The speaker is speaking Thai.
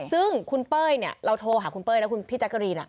ซึ่งคุณเป้ยเนี่ยเราโทรหาคุณเป้ยนะคุณพี่จักรีนอะ